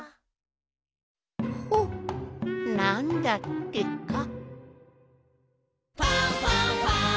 ほっなんだってか。